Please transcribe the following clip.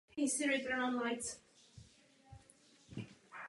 Technologie ztraceného lešení byla používána především při budování železničních tratí.